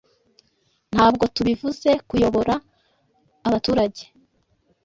Ntabwo tubivuze_kuyobora abaturage